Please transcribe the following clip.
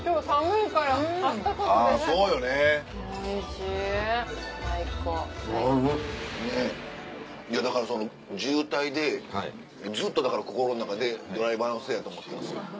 いやだからその渋滞でずっとだから心の中でドライバーのせいやと思ってたんですよ。